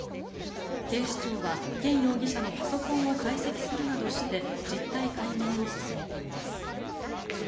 警視庁はケン容疑者のパソコンを解析するなどして実態解明を進めています。